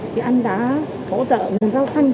thì anh đã hỗ trợ nguồn rau xanh